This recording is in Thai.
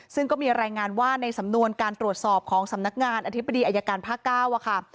ซึ่งก็มีรายงานว่าในสำนวนการตรวจสอบของสำนักงานอธิบดีอายการภาค๙ค่ะ